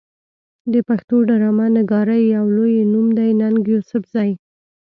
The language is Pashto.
د پښتو ډرامه نګارۍ يو لوئې نوم دی ننګ يوسفزۍ